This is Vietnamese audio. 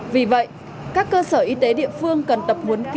vì vậy các cơ sở y tế địa phương cần tập huấn kỹ